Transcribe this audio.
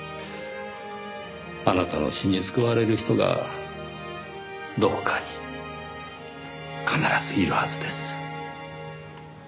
あなたの詩に救われる人がどこかに必ずいるはずです。